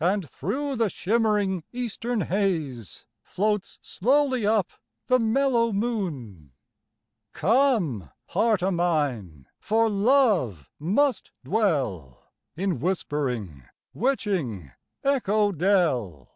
And through the shimmering eastern haze Floats slowly up the mellow moon; Come, heart o' mine, for love must dwell In whispering, witching Echo Dell.